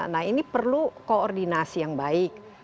nah ini perlu koordinasi yang baik